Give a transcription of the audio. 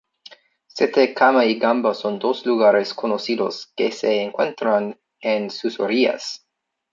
Sette Cama y Gamba son dos lugares conocidos que se encuentran en sus orillas.